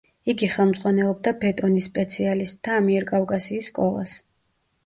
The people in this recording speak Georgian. იგი ხელმძღვანელობდა ბეტონის სპეციალისტთა ამიერკავკასიის სკოლას.